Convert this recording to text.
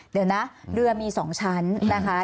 เดี๋ยวนะเรือมี๒ชั้นนะคะ